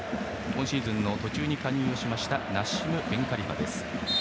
今シーズン途中に加入しましたナッシム・ベンカリファです。